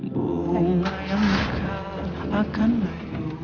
bunga yang mereka akan lahir